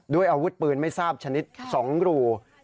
ด้วยอาวุธปืนไม่ทราบชนิดสองรูค่ะ